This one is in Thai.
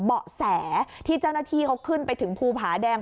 เบาะแสที่เจ้าหน้าที่เขาขึ้นไปถึงภูผาแดง